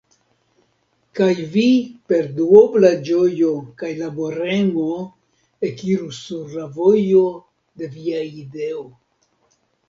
Kaj Vi per duobla ĝojo kaj laboremo ekiros sur la vojo de Via ideo!"